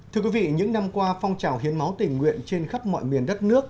thưa quý vị những năm qua phong trào hiến máu tình nguyện trên khắp mọi miền đất nước